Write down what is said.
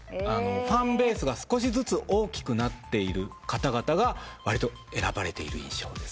ファンベースが少しずつ大きくなってる方々がわりと選ばれている印象です。